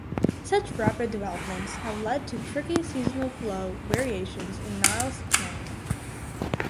Such rapid developments have led to tricky seasonal flow variations in Niles Canyon.